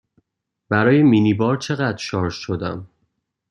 برای مینی بار چقدر شارژ شدم؟